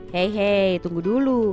hei hei tunggu dulu